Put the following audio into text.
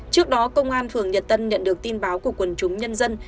trước đó công an phường nhật tân nhận được tin báo của quần chúng nhân dân